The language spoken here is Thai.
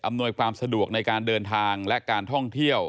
หน่วยความสะดวกในการเดินทางและการท่องเที่ยว